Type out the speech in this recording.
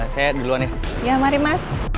saya duluan ya